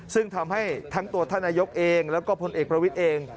ซึ่งทำให้ทั้งตัวท่านนายกเองแล้วก็พลเอกประวิทย์เอง